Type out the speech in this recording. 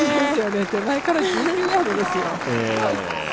手前から１２ヤードですよ。